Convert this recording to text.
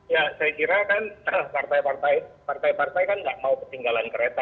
ya saya kira kan partai partai partai partai kan gak mau ketinggalan kereta ya